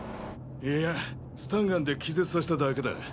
いやスタンガンで気絶させただけだ。